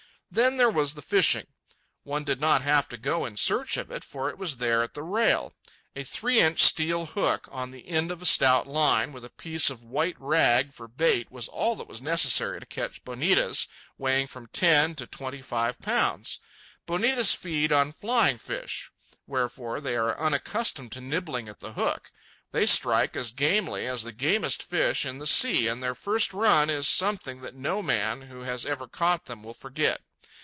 Then there was the fishing. One did not have to go in search of it, for it was there at the rail. A three inch steel hook, on the end of a stout line, with a piece of white rag for bait, was all that was necessary to catch bonitas weighing from ten to twenty five pounds. Bonitas feed on flying fish, wherefore they are unaccustomed to nibbling at the hook. They strike as gamely as the gamest fish in the sea, and their first run is something that no man who has ever caught them will forget.